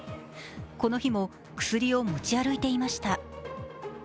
この日も、薬を持ち歩いていました。